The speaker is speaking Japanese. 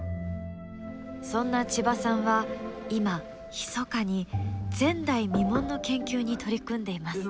そんな千葉さんは今ひそかに前代未聞の研究に取り組んでいます。